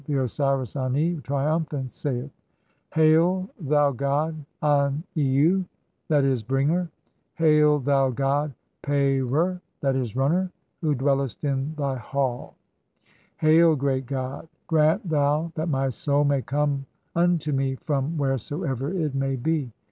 The Osiris Ani, triumphant, saith :— "Hail, thou god Anniu (/.<?., Bringer) ! Hail, thou god Pehrer "(/. e., Runner), 2 who dwellest in thy hall ! [Hail,] great God ! "Grant thou that my soul may come unto me from wheresoever "it may be.